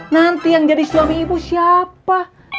nanti yang jadi suami ibu siapa